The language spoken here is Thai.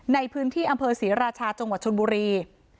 ในพื้นที่อำเภอศรีราชาจังหวัดชนบุรี